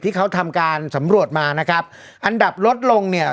ที่เขาทำการสำรวจมานะครับอันดับลดลงเนี่ย